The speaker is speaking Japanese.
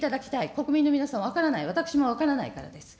国民の皆さん分からない、私も分からないからです。